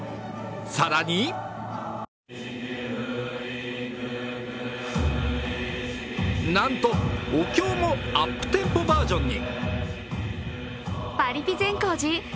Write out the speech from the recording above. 更になんとお経もアップテンポバージョンに。